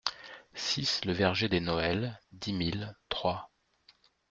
six le Verger des Noëls, dix mille Troyes